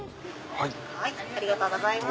ありがとうございます。